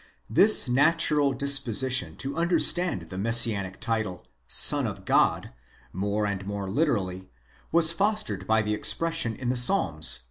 'This natural disposition to understand the Messianic title Sox of God more and more literally, was fostered by the expression in the Psalms (ii.